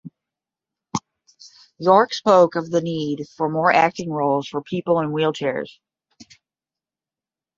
York spoke of the need for more acting roles for people in wheelchairs.